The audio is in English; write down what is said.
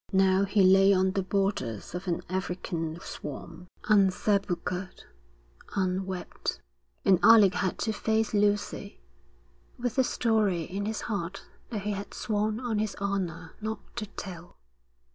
Now he lay on the borders of an African swamp, unsepulchred, unwept; and Alec had to face Lucy, with the story in his heart that he had sworn on his honour not to tell.